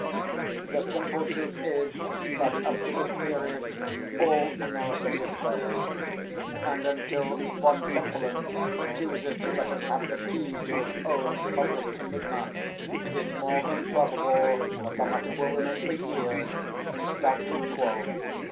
The simple truth is, that up to this period all analysis has failed; and until Von Kempelen chooses to let us have the key to his own published enigma, it is more than probable that the matter will remain, for years, in statu quo.